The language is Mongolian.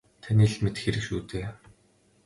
Таны л мэдэх хэрэг шүү дээ.